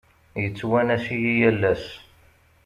Yettwanas-iyi yal ass.